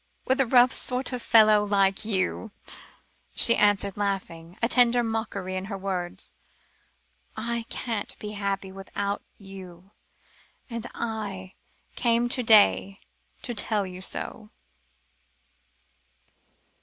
"With a rough sort of fellow like you," she answered, laughing, a tender mockery in her words. "I can't be happy without you, and I came to day, to tell you so!"